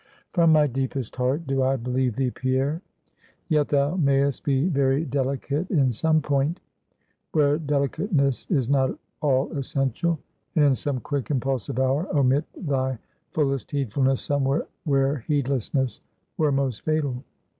"From my deepest heart, do I believe thee, Pierre. Yet thou mayest be very delicate in some point, where delicateness is not all essential, and in some quick impulsive hour, omit thy fullest heedfulness somewhere where heedlessness were most fatal.